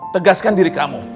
tegaskan diri kamu